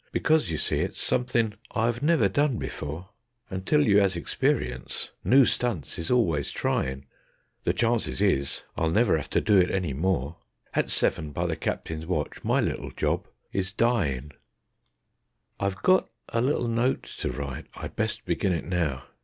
Because, you see, it's somethin' I 'ave never done before; And till you 'as experience noo stunts is always tryin'; The chances is I'll never 'ave to do it any more: At seven by the Captain's watch my little job is ... DYIN'. I've got a little note to write; I'd best begin it now.